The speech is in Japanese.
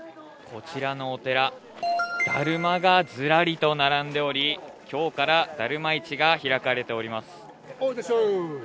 こちらのお寺、だるまがずらりと並んでおり、きょうからだるま市が開かれております。